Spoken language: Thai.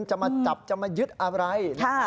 จะมาจับจะมายึดอะไร